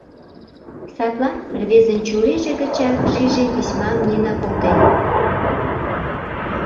Садлан рвезын чурийже гычак шиже: письмам Нина колтен.